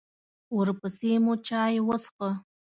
ورپسې مو چای وڅښه.